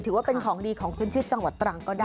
ถือว่าเป็นของดีของขึ้นชื่อจังหวัดตรังก็ได้